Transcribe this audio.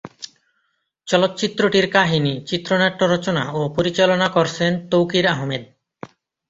চলচ্চিত্রটির কাহিনি, চিত্রনাট্য রচনা ও পরিচালনা করছেন তৌকির আহমেদ।